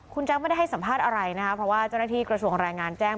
คุณแจ๊คไม่ได้ให้สัมภาษณ์อะไรนะคะเพราะว่าเจ้าหน้าที่กระทรวงแรงงานแจ้ง